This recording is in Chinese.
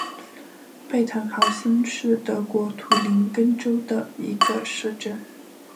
贝滕豪森是德国图林根州的一个市镇。